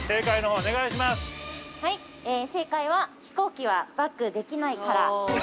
◆はい、正解は、飛行機はバックできないから。